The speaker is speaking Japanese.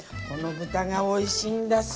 この豚がおいしいんだ。